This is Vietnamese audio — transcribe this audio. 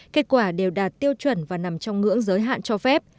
kết quả đều đạt tiêu chuẩn và nằm trong ngưỡng giới hạn cho phép